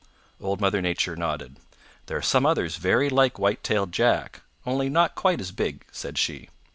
Old Mother Nature nodded. "There are some others very like White tailed Jack, only not quite as big," said she.